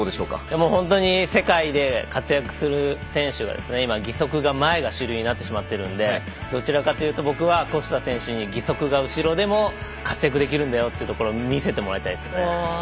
本当に世界で活躍する選手が今、義足が前が主流になってしまっているんでどちらかというと僕は小須田選手に義足が後ろでも活躍できるんだよというところを見せてもらいたいですね。